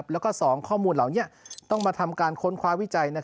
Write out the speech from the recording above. แล้วก็๒ข้อมูลเหล่านี้ต้องมาทำการค้นคว้าวิจัย